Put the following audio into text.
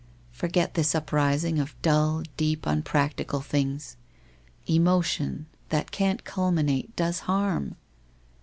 Forget tins uprising of dull, deep, unpractical things. Emotion, that can't culminate, does harm.